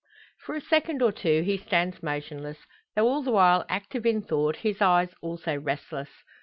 For a second or two he stands motionless, though all the while active in thought, his eyes also restless.